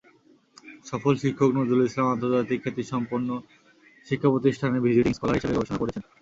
সফল শিক্ষক নজরুল ইসলাম আন্তর্জাতিক খ্যাতিসম্পন্ন শিক্ষাপ্রতিষ্ঠানে ভিজিটিং স্কলার হিসেবে গবেষণা করেছেন।